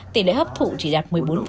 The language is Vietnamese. tỷ lệ hấp thụ chỉ đạt một mươi bốn